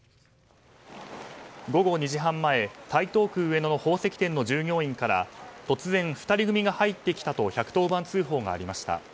午後２時半前、台東区上野の宝石店の従業員から突然、２人組が入ってきたと１１０番通報がありました。